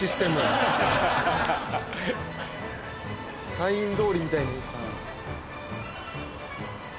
サイン通りみたいに。